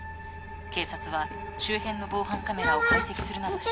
警察は周辺の防犯カメラを解析するなどして。